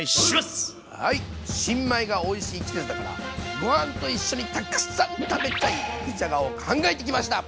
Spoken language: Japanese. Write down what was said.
新米がおいしい季節だからご飯と一緒にたくさん食べたい肉じゃがを考えてきました！